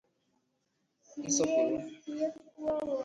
nsọpụrụ